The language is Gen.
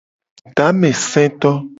Tamesetode.